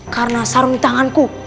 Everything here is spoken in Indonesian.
karena sarung di tanganku